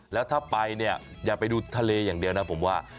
แล้วถ้าไปเนี่ยอย่าไปดูทะเลอย่างเดียวนะผมว่า